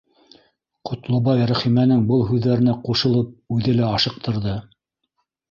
Ҡотлобай Рәхимәнең был һүҙҙәренә ҡушылып, үҙе лә ашыҡтырҙы.